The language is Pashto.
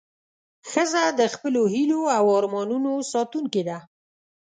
ښځه د خپلو هیلو او ارمانونو ساتونکې ده.